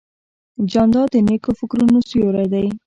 جانداد د نیکو فکرونو سیوری دی.